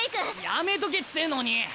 やめとけっつうのに！